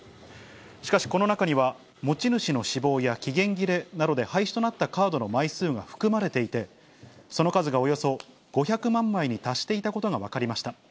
しかし、この中には、持ち主の死亡や期限切れなどで廃止となったカードの枚数が含まれていて、その数がおよそ５００万枚に達していたことが分かりました。